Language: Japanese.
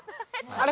あれ。